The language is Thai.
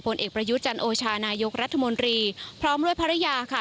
เอกประยุทธ์จันโอชานายกรัฐมนตรีพร้อมด้วยภรรยาค่ะ